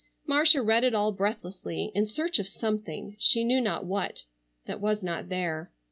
Marcia read it all breathlessly, in search of something, she knew not what, that was not there.